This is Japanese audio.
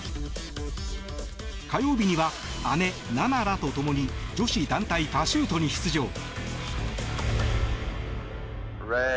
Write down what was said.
火曜日には姉・菜那らと共に女子団体パシュートに出場。